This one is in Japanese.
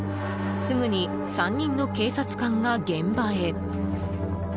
すぐに３人の警察官が現場へ。